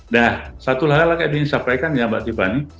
nah satu hal hal yang ingin saya sampaikan ya mbak tiffany